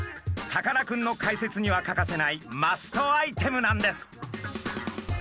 さかなクンの解説には欠かせないマストアイテムなんです。